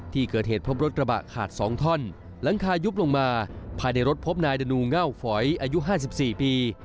ที่เกิดเหตุพบรถกระบะขาด๒ท่อนหลังคายุบลงมาภายในรถพบนายดนูเง่าฝอยอายุ๕๔ปี